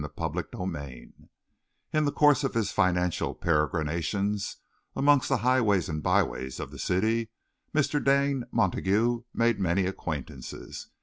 CHAPTER XIX In the course of his financial peregrinations amongst the highways and byways of the city, Mr. Dane Montague made many acquaintances.